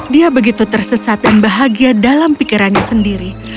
dia begitu tersesat dan bahagia dengan nyonya tua